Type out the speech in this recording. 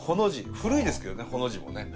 古いですけどねほの字もね。